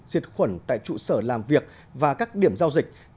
diệt khuẩn tại trụ sở làm việc và các điểm giao dịch